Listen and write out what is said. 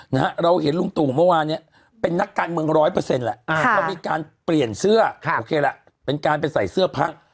นะฮะเราเห็นลุงตูงเมื่อวานนี้เป็นนักการเมือง๑๐๐แหละเขามีการเปลี่ยนเสื้อโอเคแล้วเป็นการไปใส่เสื้อพรรค